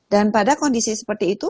dan pada kondisi seperti itu